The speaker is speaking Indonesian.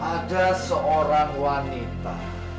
ada seorang wanita